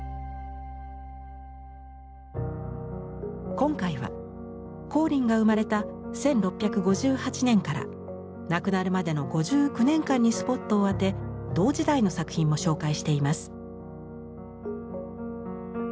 今回は光琳が生まれた１６５８年から亡くなるまでの５９年間にスポットを当て同時代の作品も紹介しています。